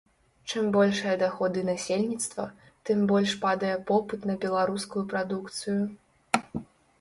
Чым большыя даходы насельніцтва, тым больш падае попыт на беларускую прадукцыю.